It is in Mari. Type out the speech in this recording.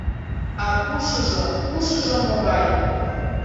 А пушыжо, пушыжо могай!